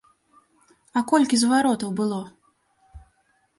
А колькі зваротаў было?